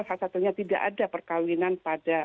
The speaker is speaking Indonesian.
salah satunya tidak ada perkawinan pada